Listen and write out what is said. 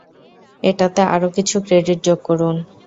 এটাতে আরও কিছু ক্রেডিট যোগ করুন!